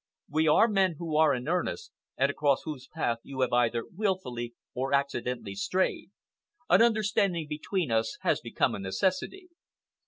We are men who are in earnest, and across whose path you have either wilfully or accidentally strayed. An understanding between us has become a necessity."